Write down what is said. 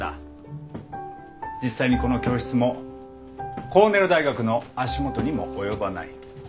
実際にこの教室もコーネル大学の足元にも及ばない。